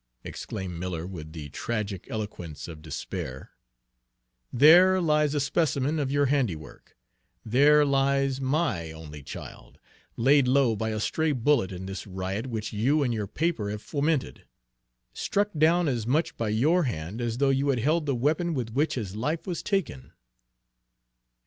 exclaimed Miller, with the tragic eloquence of despair, "there lies a specimen of your handiwork! There lies my only child, laid low by a stray bullet in this riot which you and your paper have fomented; struck down as much by your hand as though you had held the weapon with which his life was taken!"